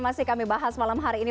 masih kami bahas malam hari ini